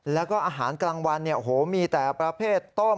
แล้วก็อาหารกลางวันมีแต่ประเภทต้ม